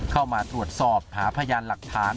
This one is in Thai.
เข้ามาตรวจสอบหาพยานหลักฐาน